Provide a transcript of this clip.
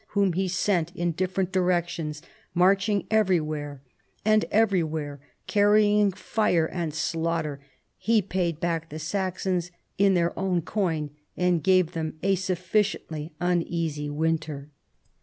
whom he sent in different directions, marchinfj everywhere, and everywhere carrying fire and slaughter, he paid back the Saxons in their own coin and gave them a sufficiently uneasy winter."